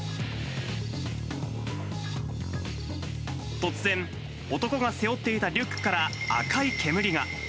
突然、男が背負っていたリュックから赤い煙が。